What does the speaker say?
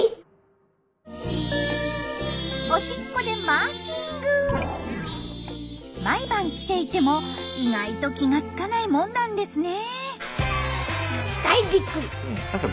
おしっこで毎晩来ていても意外と気が付かないもんなんですね。